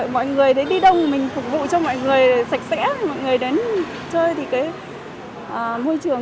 mọi người đi đông mình phục vụ cho mọi người sạch sẽ mọi người đến chơi thì môi trường